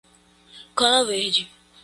Cana Verde